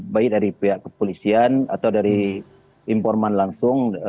baik dari pihak kepolisian atau dari informan langsung